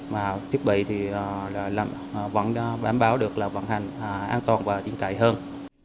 và thiết bị thì vẫn bám báo được là vận hành an toàn và điện tải hơn